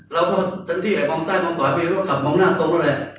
เราก็ทั้งที่มองใส่มองขวาไปก็ขับมองหน้าตรงแล้วแหละ